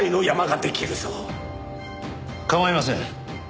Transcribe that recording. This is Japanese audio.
構いません。